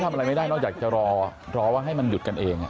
แต่ไม่ได้อะไรอยากจะรอรอว่าจะให้มันหยุดกันเอง